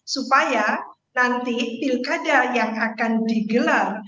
supaya nanti pilkada yang akan digelar